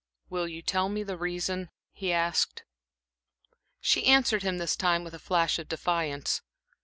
"Will you tell me the reason?" he asked. She answered him this time with a flash of defiance.